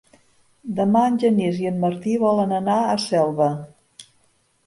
Demà en Genís i en Martí volen anar a Selva.